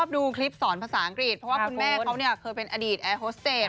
ดูคลิปสอนภาษาอังกฤษเพราะว่าคุณแม่เขาเคยเป็นอดีตแอร์โฮสเตจ